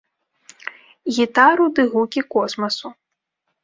Гітару ды гукі космасу.